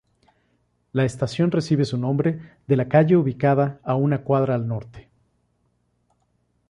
La estación recibe su nombre de la calle ubicada una cuadra al norte.